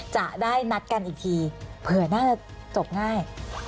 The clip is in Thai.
จะได้นัดกันอีกทีเผื่อน่าจะจบง่าย